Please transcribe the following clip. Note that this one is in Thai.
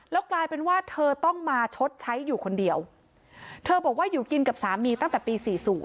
แล้วกลายเป็นว่าเธอต้องมาชดใช้อยู่คนเดียวเธอบอกว่าอยู่กินกับสามีตั้งแต่ปี๔๐